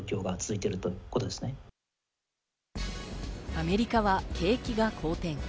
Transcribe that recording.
アメリカは景気が好転。